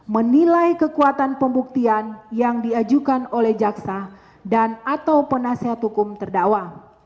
menilai kekuatan pembuktian yang diajukan oleh jaksa dan atau penasehat hukum terdakwa